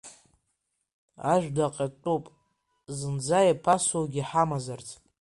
Ажәла ҟьатәуп, зынӡа иԥасоугьы ҳамазарц…